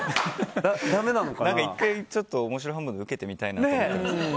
１回ちょっと面白半分で受けてみたいなと思うんですけど。